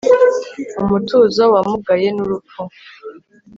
Umutuzo wamugaye nurupfu